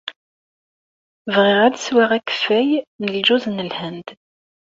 Bɣiɣ ad sweɣ akeffay n ljuz n Lhend.